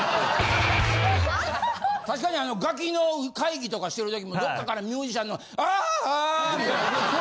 確かにあの『ガキの』会議とかしてるときもどっかからミュージシャンの「アアァァ」みたいなん。